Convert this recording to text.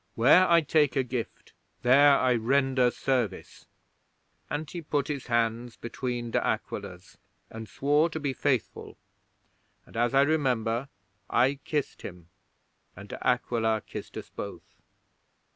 Where I take a gift, there I render service"; and he put his hands between De Aquila's, and swore to be faithful, and, as I remember, I kissed him, and De Aquila kissed us both.